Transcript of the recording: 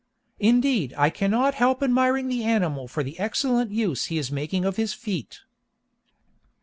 Indeed, I cannot help admiring the animal for the excellent use he is making of his feet."